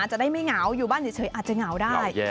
จะได้ไม่เหงาอยู่บ้านเฉยอาจจะเหงาได้